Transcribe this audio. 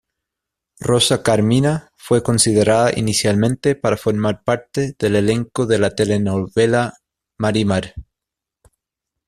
Rosa Carmina fue considerada inicialmente para formar parte del elenco de la telenovela "Marimar".